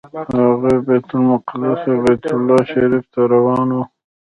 هغوی بیت المقدس او بیت الله شریف ته روان وو.